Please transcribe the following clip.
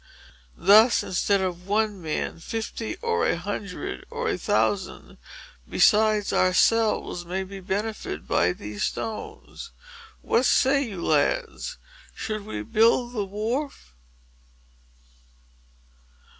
Thus, instead of one man, fifty, or a hundred, or a thousand, besides ourselves, may be benefited by these stones. What say you, lads?—shall we build the wharf?"